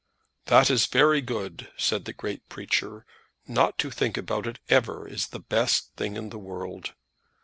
"That is very good," said the great preacher. "Not to think about it ever is the best thing in the world.